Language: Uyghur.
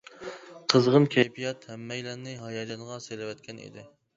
قىزغىن كەيپىيات ھەممەيلەننى ھاياجانغا سېلىۋەتكەن ئىدى.